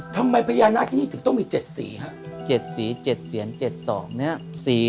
ทำไมพยาน่ากี้ต้องมี๗สีฮะ๗สี๗เสียร๗สองเนี่ย